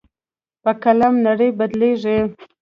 په قلم نړۍ بدلېږي.